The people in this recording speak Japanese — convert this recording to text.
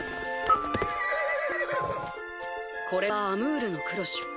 これはアムールのクロシュ。